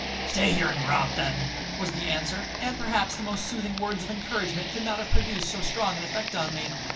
'Stay there and rot, then,' was the answer; and perhaps the most soothing words of encouragement could not have produced so strong an effect on me.